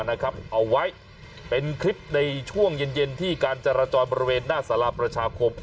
นะครับเอาไว้เป็นคลิปในช่วงเย็นเย็นที่การจรจรบรเวณหน้าสลามประชาคม